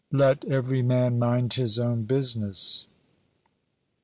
LET EVERY MAN MIND HIS OWN BUSINESS.